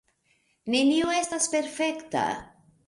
Nenio estas perfekta.